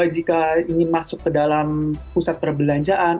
jika ingin masuk ke dalam pusat perbelanjaan